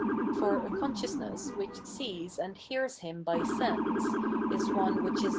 For, a conscious ness which sees and hears Him by sense, is one which is * cp.